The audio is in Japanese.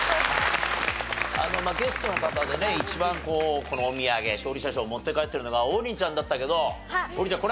ゲストの方でね一番このお土産勝利者賞を持って帰ってるのが王林ちゃんだったけど王林ちゃん